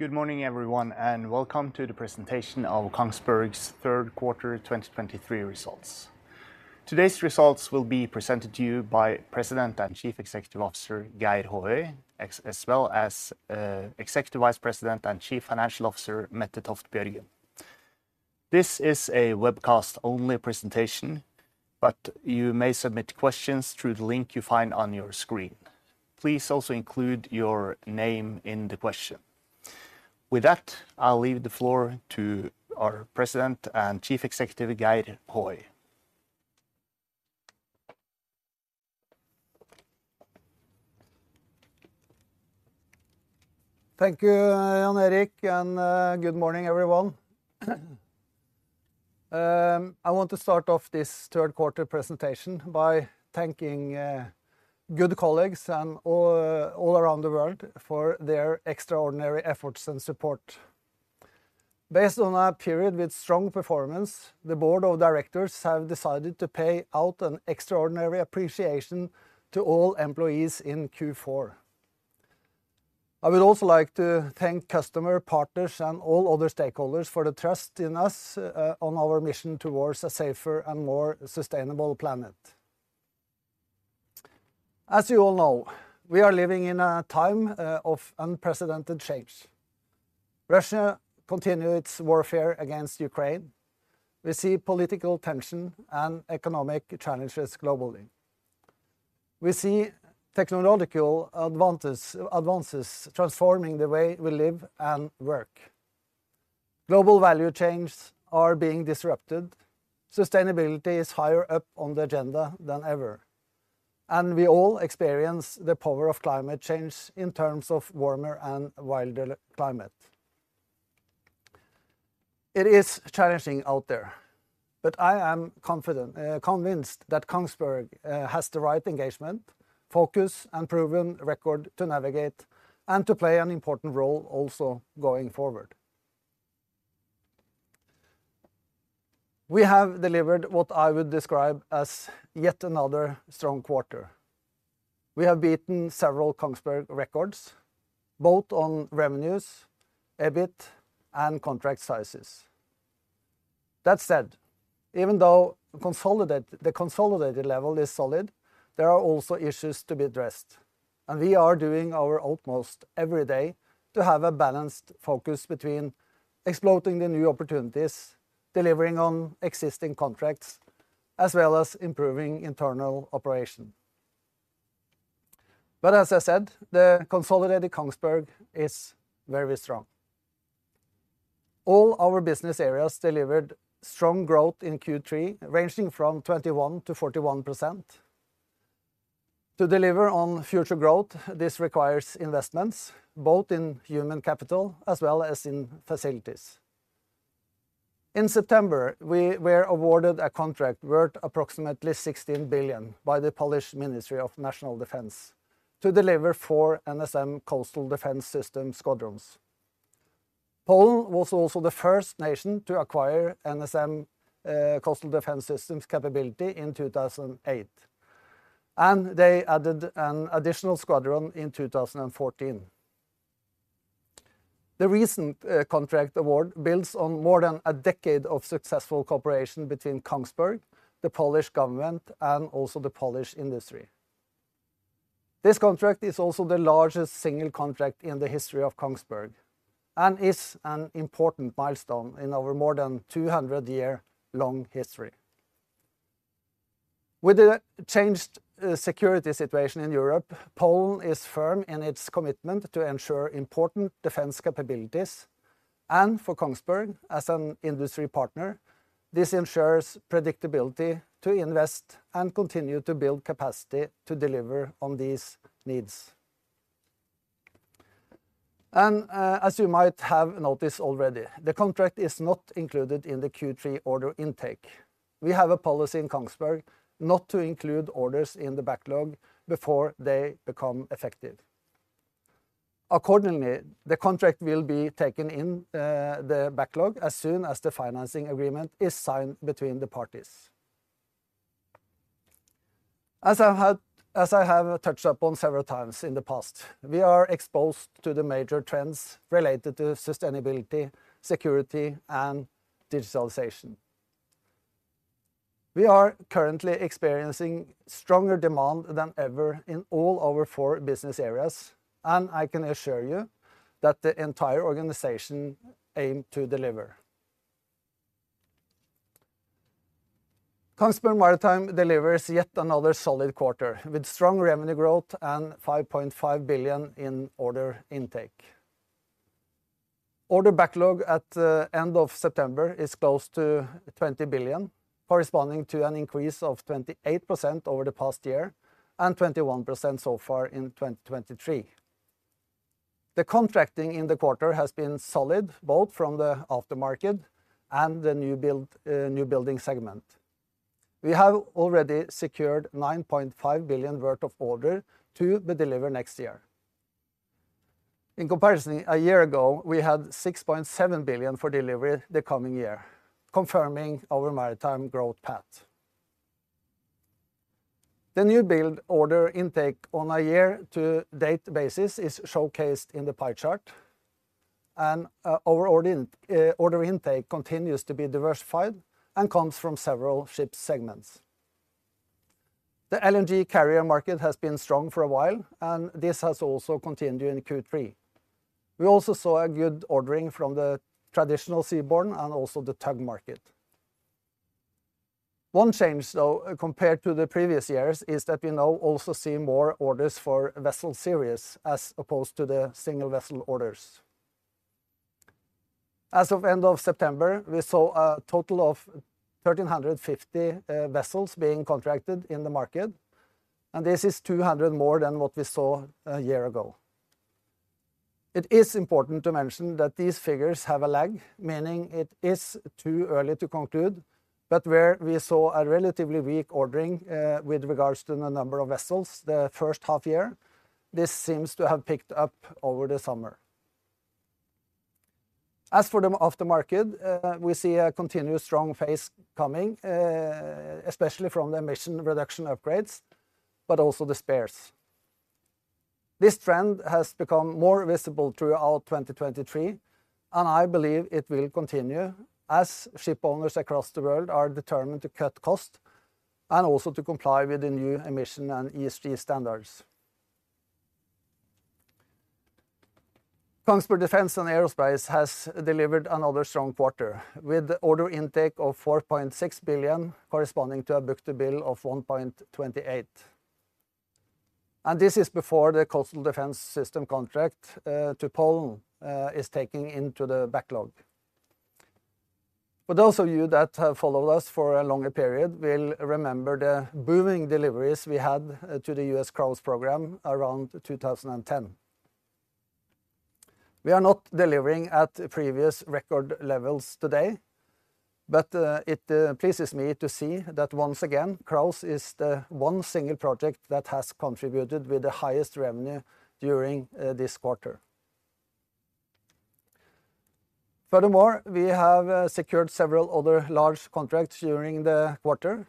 Good morning, everyone, and welcome to the presentation of Kongsberg's Q3 2023 results. Today's results will be presented to you by President and Chief Executive Officer, Geir Håøy, as well as Executive Vice President and Chief Financial Officer, Mette Toft Bjørgen. This is a webcast-only presentation, but you may submit questions through the link you find on your screen. Please also include your name in the question. With that, I'll leave the floor to our President and Chief Executive, Geir Håøy. Thank you, Jan Erik, and good morning, everyone. I want to start off this Q3 presentation by thanking good colleagues and all, all around the world for their extraordinary efforts and support. Based on a period with strong performance, the board of directors have decided to pay out an extraordinary appreciation to all employees in Q4. I would also like to thank customer, partners, and all other stakeholders for the trust in us on our mission towards a safer and more sustainable planet. As you all know, we are living in a time of unprecedented change. Russia continued its warfare against Ukraine. We see political tension and economic challenges globally. We see technological advances transforming the way we live and work. Global value chains are being disrupted, sustainability is higher up on the agenda than ever, and we all experience the power of climate change in terms of warmer and wilder climate. It is challenging out there, but I am confident, convinced, that Kongsberg has the right engagement, focus, and proven record to navigate and to play an important role also going forward. We have delivered what I would describe as yet another strong quarter. We have beaten several Kongsberg records, both on revenues, EBIT and contract sizes. That said, even though the consolidated level is solid, there are also issues to be addressed, and we are doing our utmost every day to have a balanced focus between exploiting the new opportunities, delivering on existing contracts, as well as improving internal operation. But as I said, the consolidated Kongsberg is very strong. All our business areas delivered strong growth in Q3, ranging from 21% to 41%. To deliver on future growth, this requires investments, both in human capital as well as in facilities. In September, we were awarded a contract worth approximately 16 billion by the Polish Ministry of National Defence to deliver four NSM Coastal Defence System Squadrons. Poland was also the first nation to acquire NSM coastal defense systems capability in 2008, and they added an additional Squadron in 2014. The recent contract award builds on more than a decade of successful cooperation between Kongsberg, the Polish government, and also the Polish industry. This contract is also the largest single contract in the history of Kongsberg and is an important milestone in our more than 200-year-long history. With the changed security situation in Europe, Poland is firm in its commitment to ensure important defense capabilities, and for Kongsberg, as an industry partner, this ensures predictability to invest and continue to build capacity to deliver on these needs. And, as you might have noticed already, the contract is not included in the Q3 order intake. We have a policy in Kongsberg not to include orders in the backlog before they become effective. Accordingly, the contract will be taken in the backlog as soon as the financing agreement is signed between the parties. As I have touched upon several times in the past, we are exposed to the major trends related to sustainability, security, and digitalization. We are currently experiencing stronger demand than ever in all our four business areas, and I can assure you that the entire organization aim to deliver. Kongsberg Maritime delivers yet another solid quarter, with strong revenue growth and 5.5 billion in order intake. Order backlog at the end of September is close to 20 billion, corresponding to an increase of 28% over the past year and 21% so far in 2023. The contracting in the quarter has been solid, both from the aftermarket and the new build, new building segment. We have already secured 9.5 billion worth of order to be delivered next year. In comparison, a year ago, we had 6.7 billion for delivery the coming year, confirming our maritime growth path.... The new build order intake on a year-to-date basis is showcased in the pie chart, and our order intake continues to be diversified and comes from several ship segments. The LNG carrier market has been strong for a while, and this has also continued in Q3. We also saw a good ordering from the traditional seaborne and also the tug market. One change, though, compared to the previous years, is that we now also see more orders for vessel series as opposed to the single vessel orders. As of end of September, we saw a total of 1,350 vessels being contracted in the market, and this is 200 more than what we saw a year ago. It is important to mention that these figures have a lag, meaning it is too early to conclude, but where we saw a relatively weak ordering with regards to the number of vessels the H1 year, this seems to have picked up over the summer. As for the after market, we see a continuous strong phase coming, especially from the emission reduction upgrades, but also the spares. This trend has become more visible throughout 2023, and I believe it will continue as ship owners across the world are determined to cut costs and also to comply with the new emission and ESG standards. Kongsberg Defence & Aerospace has delivered another strong quarter, with order intake of 4.6 billion, corresponding to a book-to-bill of 1.28. And this is before the Coastal Defence System contract, to Poland, is taking into the backlog. But those of you that have followed us for a longer period will remember the booming deliveries we had, to the US CROWS program around 2010. We are not delivering at previous record levels today, but it pleases me to see that once again, CROWS is the one single project that has contributed with the highest revenue during this quarter. Furthermore, we have secured several other large contracts during the quarter.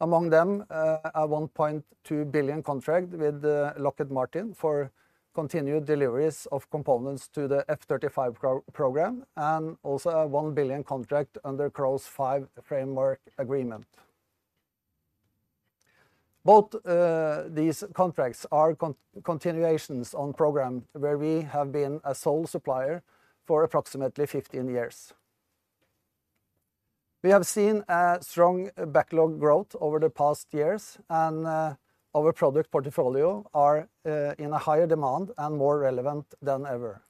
Among them, a 1.2 billion contract with Lockheed Martin for continued deliveries of components to the F-35 program, and also a 1 billion contract under CROWS 5 framework agreement. Both these contracts are continuations on program where we have been a sole supplier for approximately 15 years. We have seen a strong backlog growth over the past years, and our product portfolio are in a higher demand and more relevant than ever.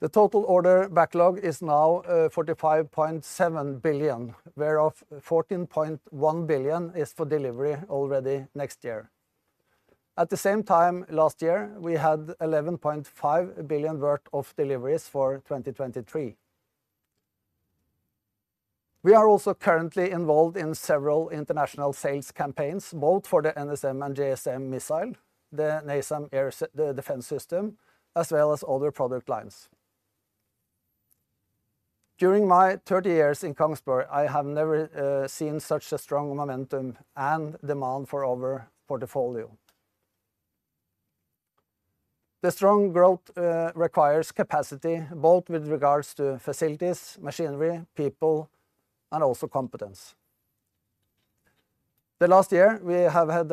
The total order backlog is now 45.7 billion, whereof 14.1 billion is for delivery already next year. At the same time last year, we had 11.5 billion worth of deliveries for 2023. We are also currently involved in several international sales campaigns, both for the NSM and JSM missile, the NASAM air defense system, as well as other product lines. During my 30 years in Kongsberg, I have never seen such a strong momentum and demand for our portfolio. The strong growth requires capacity, both with regards to facilities, machinery, people and also competence. The last year, we have had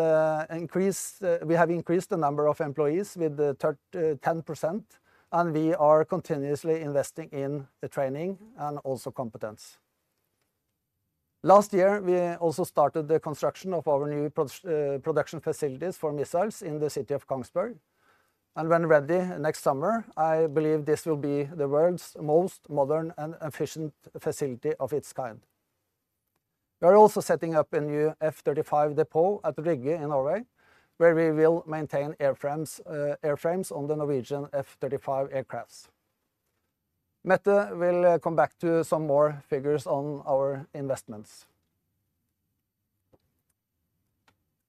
increase. We have increased the number of employees with 10%, and we are continuously investing in the training and also competence. Last year, we also started the construction of our new production facilities for missiles in the city of Kongsberg, and when ready next summer, I believe this will be the world's most modern and efficient facility of its kind. We are also setting up a new F-35 depot at Rygge in Norway, where we will maintain airframes on the Norwegian F-35 aircraft. Mette will come back to some more figures on our investments.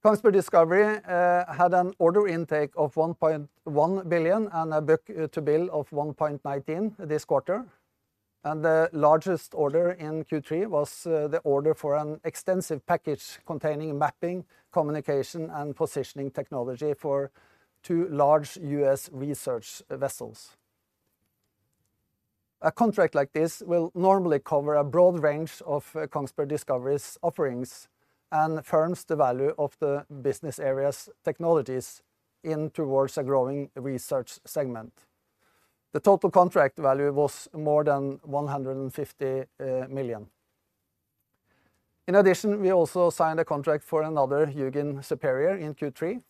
Kongsberg Discovery had an order intake of 1.1 billion and a book-to-bill of 1.19 this quarter. The largest order in Q3 was the order for an extensive package containing mapping, communication, and positioning technology for two large U.S. research vessels. A contract like this will normally cover a broad range of Kongsberg Discovery's offerings and firms the value of the business area's technologies in towards a growing research segment. The total contract value was more than 150 million. In addition, we also signed a contract for another HUGIN Superior in Q3.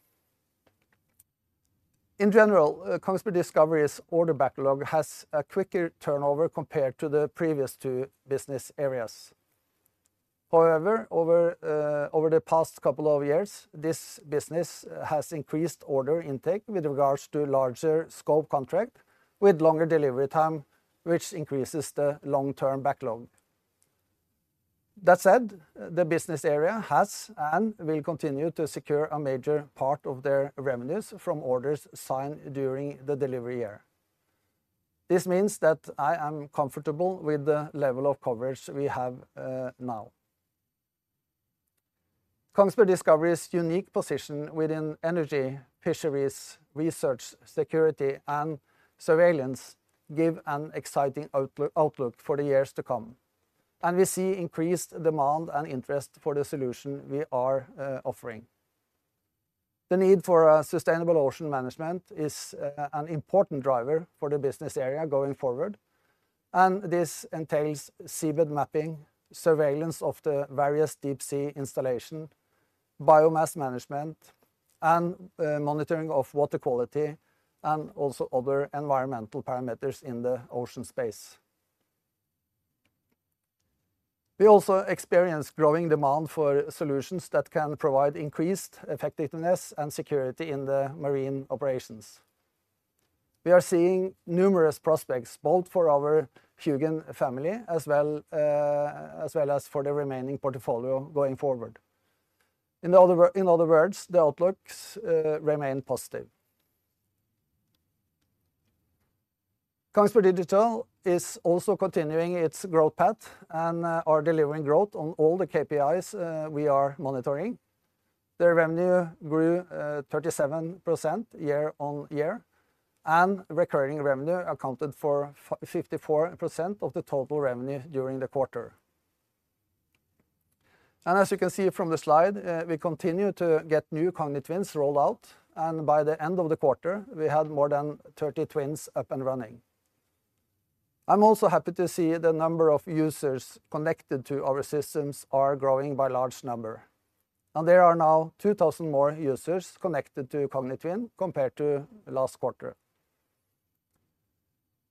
In general, Kongsberg Discovery's order backlog has a quicker turnover compared to the previous two business areas. However, over, over the past couple of years, this business has increased order intake with regards to larger scope contract with longer delivery time, which increases the long-term backlog. That said, the business area has and will continue to secure a major part of their revenues from orders signed during the delivery year... This means that I am comfortable with the level of coverage we have, now. Kongsberg Discovery's unique position within energy, fisheries, research, security, and surveillance give an exciting outlook for the years to come, and we see increased demand and interest for the solution we are offering. The need for a sustainable ocean management is an important driver for the business area going forward, and this entails seabed mapping, surveillance of the various deep sea installation, biomass management, and monitoring of water quality, and also other environmental parameters in the ocean space. We also experience growing demand for solutions that can provide increased effectiveness and security in the marine operations. We are seeing numerous prospects, both for our HUGIN family, as well as for the remaining portfolio going forward. In other words, the outlooks remain positive. Kongsberg Digital is also continuing its growth path and are delivering growth on all the KPIs we are monitoring. Their revenue grew 37% year-on-year, and recurring revenue accounted for 54% of the total revenue during the quarter. As you can see from the slide, we continue to get new CogniTwins rolled out, and by the end of the quarter, we had more than 30 twins up and running. I'm also happy to see the number of users connected to our systems are growing by large number, and there are now 2,000 more users connected to CogniTwin compared to last quarter.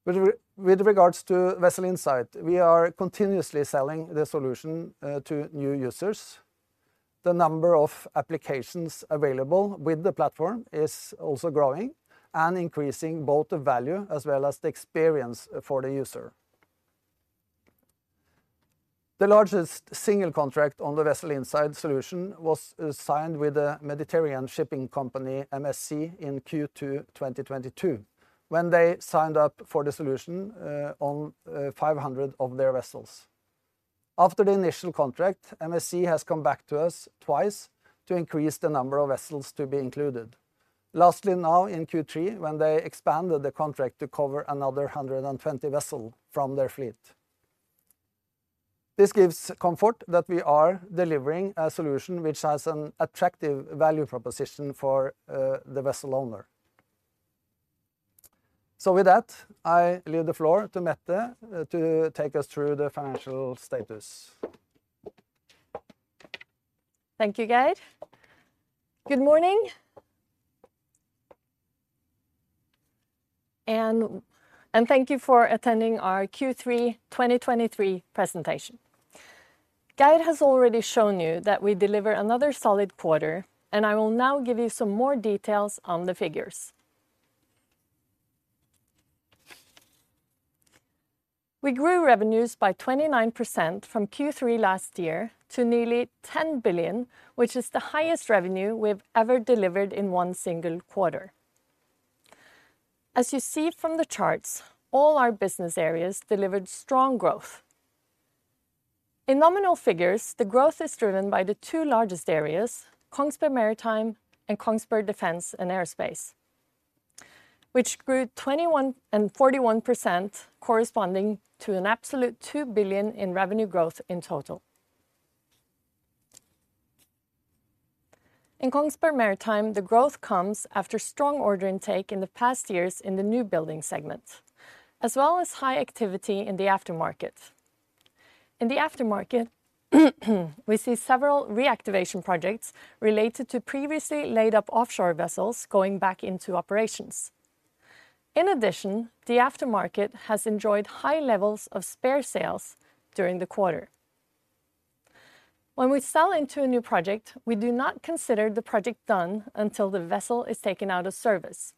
With regards to Vessel Insight, we are continuously selling the solution to new users. The number of applications available with the platform is also growing and increasing both the value as well as the experience for the user. The largest single contract on the Vessel Insight solution was signed with a Mediterranean Shipping Company, MSC, in Q2 2022, when they signed up for the solution on 500 of their vessels. After the initial contract, MSC has come back to us twice to increase the number of vessels to be included. Lastly, now in Q3, when they expanded the contract to cover another 120 vessels from their fleet. This gives comfort that we are delivering a solution which has an attractive value proposition for the vessel owner. So with that, I leave the floor to Mette to take us through the financial status. Thank you, Geir. Good morning. And thank you for attending our Q3 2023 presentation. Geir has already shown you that we delivered another solid quarter, and I will now give you some more details on the figures. We grew revenues by 29% from Q3 last year to nearly 10 billion, which is the highest revenue we've ever delivered in one single quarter. As you see from the charts, all our business areas delivered strong growth. In nominal figures, the growth is driven by the two largest areas, Kongsberg Maritime and Kongsberg Defence and Aerospace, which grew 21% and 41%, corresponding to an absolute 2 billion in revenue growth in total. In Kongsberg Maritime, the growth comes after strong order intake in the past years in the new building segment, as well as high activity in the aftermarket. In the aftermarket, we see several reactivation projects related to previously laid-up offshore vessels going back into operations. In addition, the aftermarket has enjoyed high levels of spare sales during the quarter. When we sell into a new project, we do not consider the project done until the vessel is taken out of service,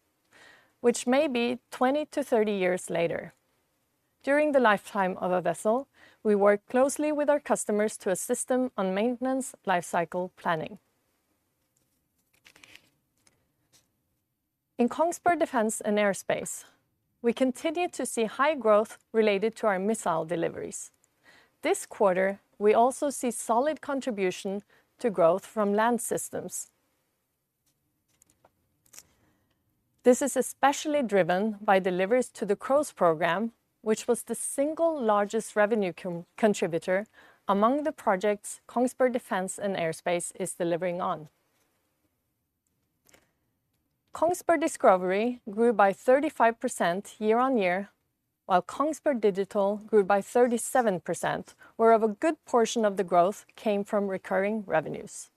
which may be 20-30 years later. During the lifetime of a vessel, we work closely with our customers to assist them on maintenance lifecycle planning. In Kongsberg Defence & Aerospace, we continue to see high growth related to our missile deliveries. This quarter, we also see solid contribution to growth from land systems. This is especially driven by deliveries to the CROWS program, which was the single largest revenue contributor among the projects Kongsberg Defence & Aerospace is delivering on. Kongsberg Discovery grew by 35% year-on-year, while Kongsberg Digital grew by 37%, whereof a good portion of the growth came from recurring revenues.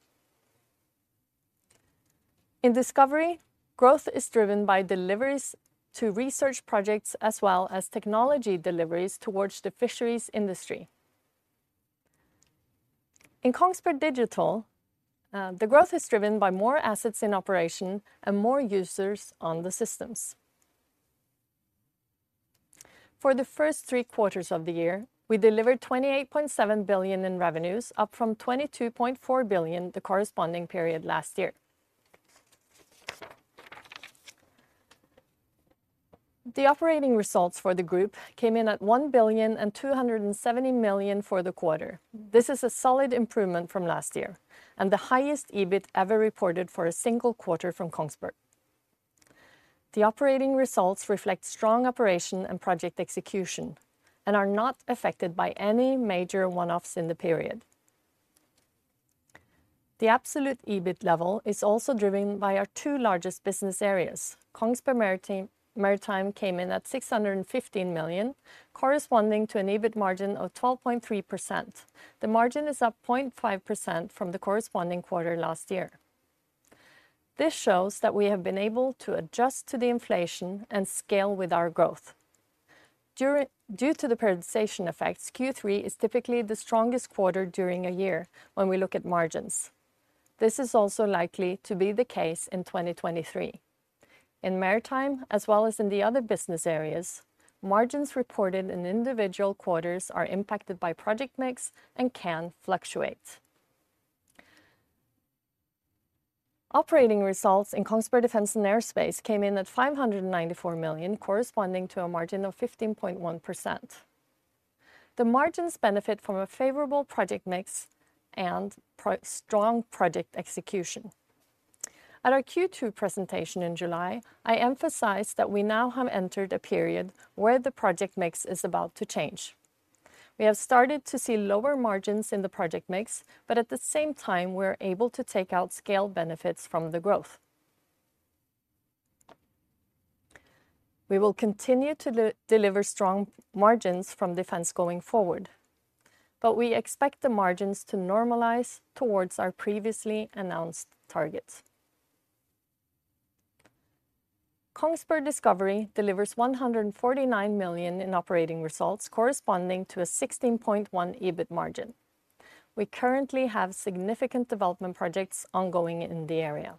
In Discovery, growth is driven by deliveries to research projects, as well as technology deliveries towards the fisheries industry. In Kongsberg Digital, the growth is driven by more assets in operation and more users on the systems. For the first three quarters of the year, we delivered 28.7 billion in revenues, up from 22.4 billion the corresponding period last year. The operating results for the group came in at 1.27 billion for the quarter. This is a solid improvement from last year, and the highest EBIT ever reported for a single quarter from Kongsberg. The operating results reflect strong operation and project execution, and are not affected by any major one-offs in the period. The absolute EBIT level is also driven by our two largest business areas. Kongsberg Maritime came in at 615 million, corresponding to an EBIT margin of 12.3%. The margin is up 0.5% from the corresponding quarter last year. This shows that we have been able to adjust to the inflation and scale with our growth. Due to the periodization effects, Q3 is typically the strongest quarter during a year when we look at margins. This is also likely to be the case in 2023. In Maritime, as well as in the other business areas, margins reported in individual quarters are impacted by project mix and can fluctuate. Operating results in Kongsberg Defence & Aerospace came in at 594 million, corresponding to a margin of 15.1%. The margins benefit from a favorable project mix and strong project execution. At our Q2 presentation in July, I emphasized that we now have entered a period where the project mix is about to change. We have started to see lower margins in the project mix, but at the same time, we're able to take out scale benefits from the growth. We will continue to deliver strong margins from Defence going forward, but we expect the margins to normalize towards our previously announced targets. Kongsberg Discovery delivers 149 million in operating results, corresponding to a 16.1% EBIT margin. We currently have significant development projects ongoing in the area.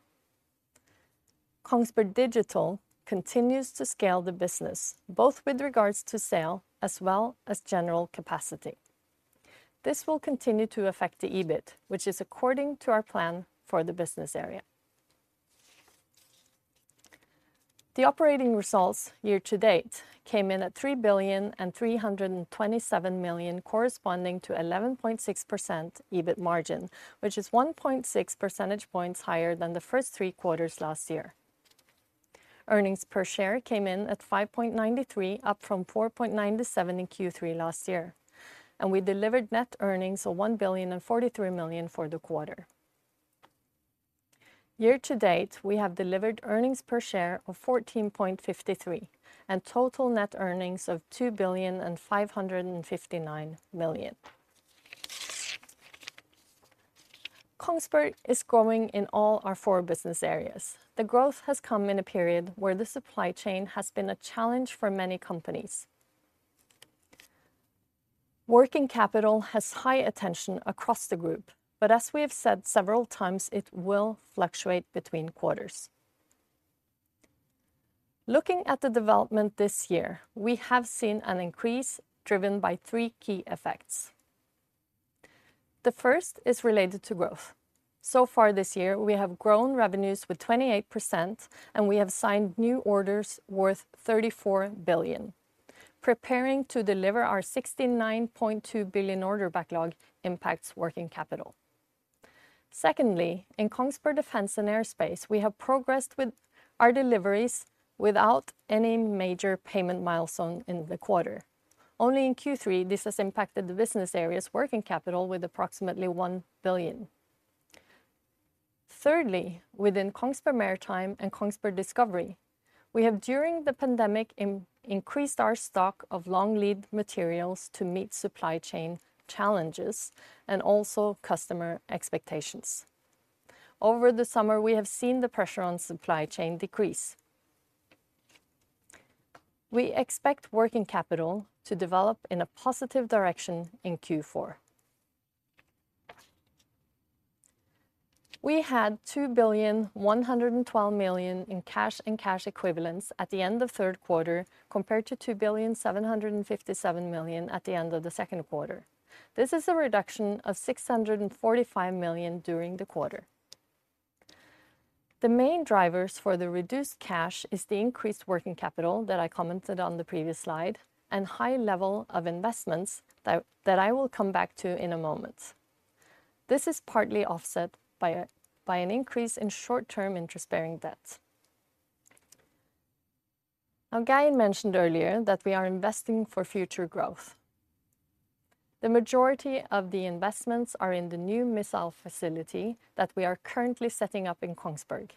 Kongsberg Digital continues to scale the business, both with regards to sale as well as general capacity. This will continue to affect the EBIT, which is according to our plan for the business area. The operating results year to date came in at 3.327 billion, corresponding to 11.6% EBIT margin, which is 1.6 percentage points higher than the first three quarters last year. Earnings per share came in at 5.93, up from 4.97 in Q3 last year, and we delivered net earnings of 1.043 billion for the quarter. Year to date, we have delivered earnings per share of 14.53, and total net earnings of 2.559 billion. Kongsberg is growing in all our four business areas. The growth has come in a period where the supply chain has been a challenge for many companies. Working capital has high attention across the group, but as we have said several times, it will fluctuate between quarters. Looking at the development this year, we have seen an increase driven by three key effects. The first is related to growth. So far this year, we have grown revenues with 28%, and we have signed new orders worth 34 billion. Preparing to deliver our 69.2 billion order backlog impacts working capital. Secondly, in Kongsberg Defence & Aerospace, we have progressed with our deliveries without any major payment milestone in the quarter. Only in Q3, this has impacted the business area's working capital with approximately 1 billion. Thirdly, within Kongsberg Maritime and Kongsberg Discovery, we have, during the pandemic, increased our stock of long-lead materials to meet supply chain challenges and also customer expectations. Over the summer, we have seen the pressure on supply chain decrease. We expect working capital to develop in a positive direction in Q4. We had 2,112 million in cash and cash equivalents at the end of Q3, compared to 2,757 million at the end of the Q2. This is a reduction of 645 million during the quarter. The main drivers for the reduced cash is the increased working capital that I commented on the previous slide, and high level of investments that I will come back to in a moment. This is partly offset by an increase in short-term interest-bearing debt. Now, Geir mentioned earlier that we are investing for future growth. The majority of the investments are in the new missile facility that we are currently setting up in Kongsberg.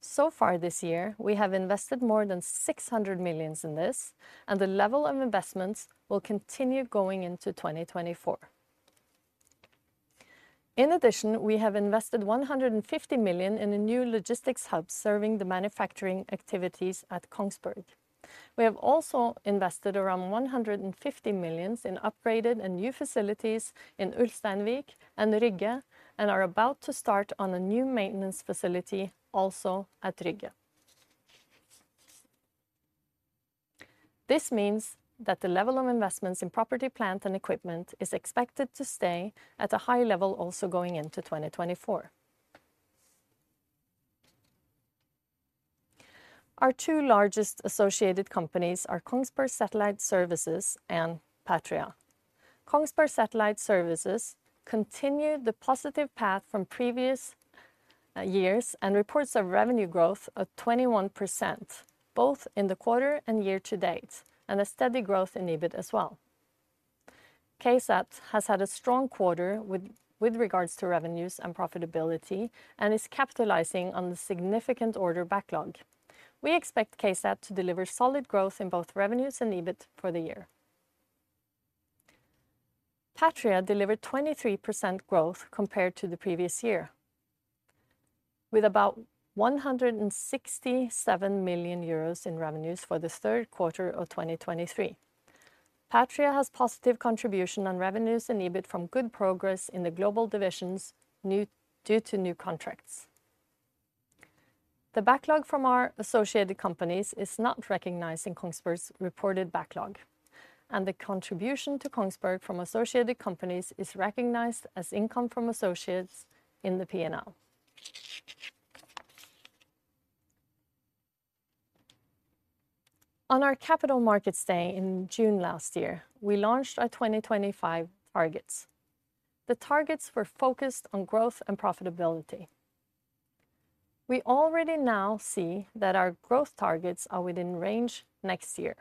So far this year, we have invested more than 600 million in this, and the level of investments will continue going into 2024. In addition, we have invested 150 million in a new logistics hub serving the manufacturing activities at Kongsberg. We have also invested around 150 million in upgraded and new facilities in Ulsteinvik and Rygge, and are about to start on a new maintenance facility, also at Rygge. This means that the level of investments in property, plant, and equipment is expected to stay at a high level also going into 2024. Our two largest associated companies are Kongsberg Satellite Services and Patria. Kongsberg Satellite Services continued the positive path from previous years and reports a revenue growth of 21%, both in the quarter and year to date, and a steady growth in EBIT as well. KSAT has had a strong quarter with regards to revenues and profitability, and is capitalizing on the significant order backlog. We expect KSAT to deliver solid growth in both revenues and EBIT for the year. Patria delivered 23% growth compared to the previous year, with about 167 million euros in revenues for the Q3 of 2023. Patria has positive contribution on revenues and EBIT from good progress in the global divisions due to new contracts. The backlog from our associated companies is not recognized in Kongsberg's reported backlog, and the contribution to Kongsberg from associated companies is recognized as income from associates in the P&L. On our Capital Markets Day in June last year, we launched our 2025 targets. The targets were focused on growth and profitability. We already now see that our growth targets are within range next year.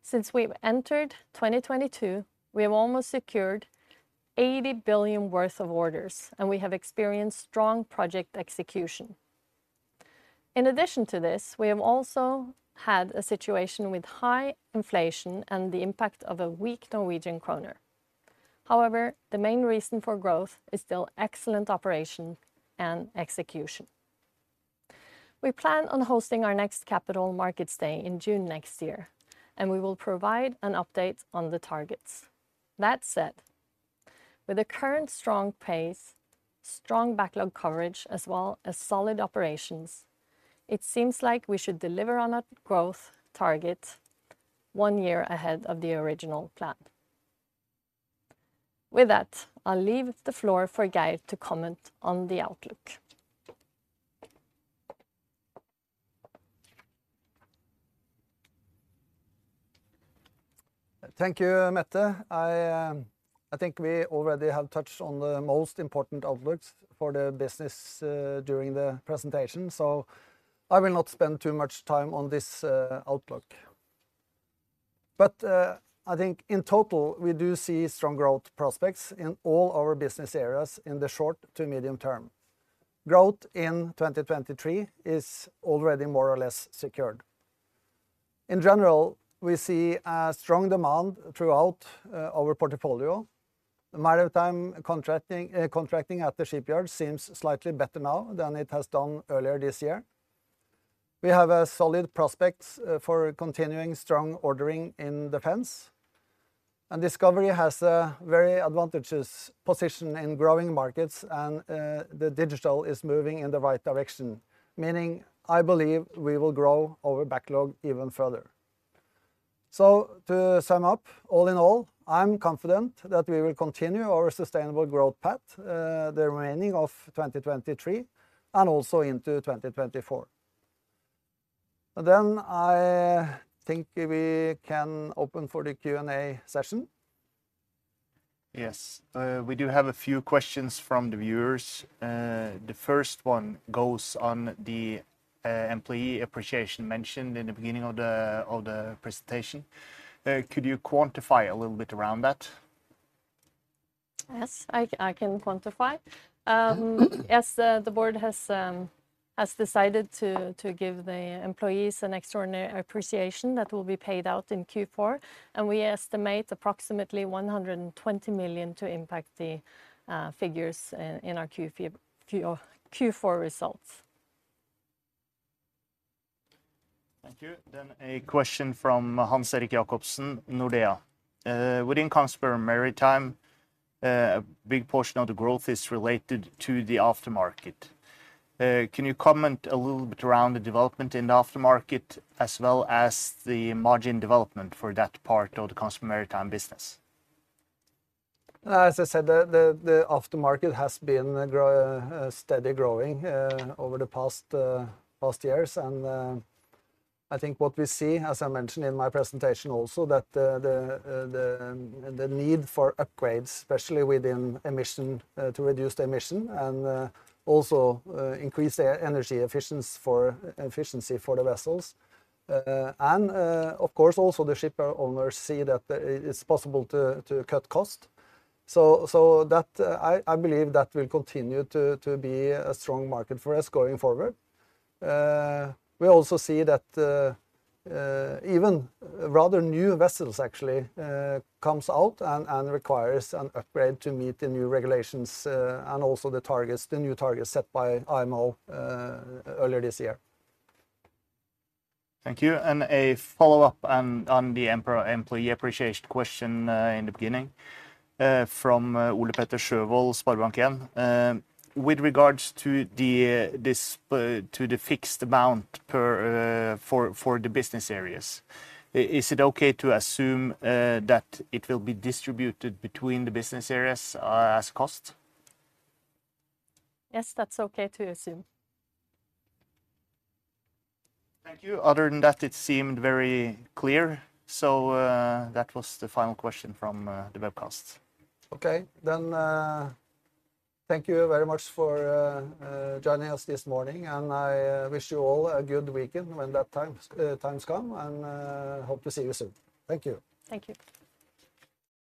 Since we've entered 2022, we have almost secured 80 billion worth of orders, and we have experienced strong project execution. In addition to this, we have also had a situation with high inflation and the impact of a weak Norwegian kroner. However, the main reason for growth is still excellent operation and execution. We plan on hosting our next Capital Markets Day in June next year, and we will provide an update on the targets. That said, with the current strong pace, strong backlog coverage, as well as solid operations, it seems like we should deliver on our growth target one year ahead of the original plan. With that, I'll leave the floor for Geir to comment on the outlook. Thank you, Mette. I think we already have touched on the most important outlooks for the business during the presentation, so I will not spend too much time on this outlook. But I think in total, we do see strong growth prospects in all our business areas in the short to medium term. Growth in 2023 is already more or less secured. In general, we see a strong demand throughout our portfolio. The maritime contracting, contracting at the shipyard seems slightly better now than it has done earlier this year. We have a solid prospects for continuing strong ordering in defense, and Discovery has a very advantageous position in growing markets, and the digital is moving in the right direction, meaning I believe we will grow our backlog even further. To sum up, all in all, I'm confident that we will continue our sustainable growth path, the remaining of 2023 and also into 2024. I think we can open for the Q&A session. Yes, we do have a few questions from the viewers. The first one goes on the employee appreciation mentioned in the beginning of the presentation. Could you quantify a little bit around that? Yes, I can quantify. Yes, the board has decided to give the employees an extraordinary appreciation that will be paid out in Q4, and we estimate approximately 120 million to impact the figures in our Q4 results. Thank you. Then a question from Hans-Erik Jacobsen, Nordea. Within Kongsberg Maritime, a big portion of the growth is related to the aftermarket. Can you comment a little bit around the development in the aftermarket, as well as the margin development for that part of the Kongsberg Maritime business? As I said, the aftermarket has been growing steadily over the past years. I think what we see, as I mentioned in my presentation also, that the need for upgrades, especially within emissions, to reduce the emissions and also increase the energy efficiency for the vessels. Of course, also the ship owners see that it's possible to cut costs. So that I believe that will continue to be a strong market for us going forward. We also see that even rather new vessels actually comes out and requires an upgrade to meet the new regulations and also the targets, the new targets set by IMO earlier this year. Thank you, and a follow-up on the employee appreciation question in the beginning from Ole-Petter Sjøvold, Sparebanken. With regards to this, to the fixed amount per for the business areas, is it okay to assume that it will be distributed between the business areas as cost? Yes, that's okay to assume. Thank you. Other than that, it seemed very clear. So, that was the final question from the webcast. Okay. Then, thank you very much for joining us this morning, and I wish you all a good weekend when that time times come, and hope to see you soon. Thank you. Thank you.